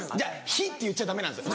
「ひ」って言っちゃ駄目なんですよ。